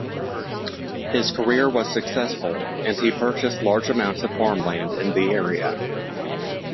His career was successful, and he purchased large amounts of farmland in the area.